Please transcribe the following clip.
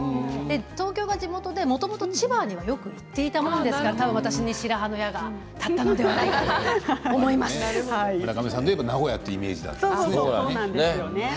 東京が地元でもともと千葉にはよく行っていたものですから多分、私に白羽の矢が村上さんといえば名古屋というイメージだったんですね。